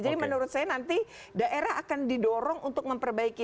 jadi menurut saya nanti daerah akan didorong untuk memperbaiki